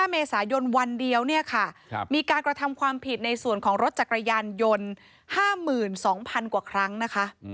๕เมษายนวันเดียวเนี่ยค่ะมีการกระทำความผิดในส่วนของรถจักรยานยนต์๕๒๐๐๐กว่าครั้งนะคะ